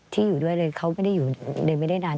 ที่อยู่ด้วยเลยเขาไม่ได้อยู่เดินไม่ได้นาน